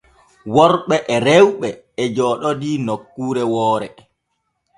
Worɓe e rewɓe e jooɗodii nokkure woore.